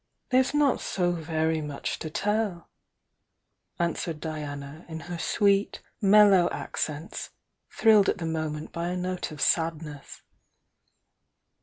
''There's not so very much to tell," answered Di ana, in her sweet, mellow accents, thrilled at the moment by a note of sadness.